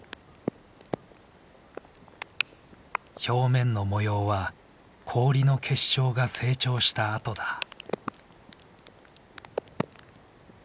表面の模様は氷の結晶が成長した跡だ。